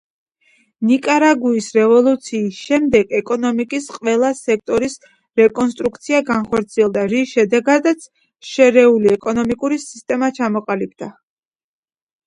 ნიკარაგუის რევოლუციის შემდეგ ეკონომიკის ყველა სექტორის რეკონსტრუქცია განხორციელდა, რის შემდეგაც შერეული ეკონომიკური სისტემა ჩამოყალიბდა.